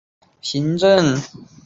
简易行政工作